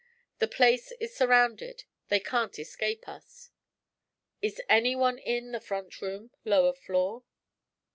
The place is surrounded; they can't escape alive. Is anyone in the front room, lower floor?'